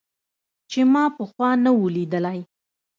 چې ما پخوا نه و ليدلى.